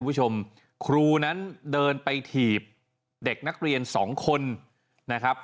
คุณผู้ชมครูนั้นเดินไปถีบเด็กนักเรียนสองคนนะครับ